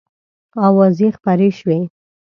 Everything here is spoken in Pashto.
آوازې خپرې شوې.